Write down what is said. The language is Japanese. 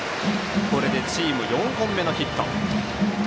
これでチーム４本目のヒット。